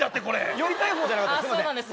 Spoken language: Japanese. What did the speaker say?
呼びたいほうじゃなかったです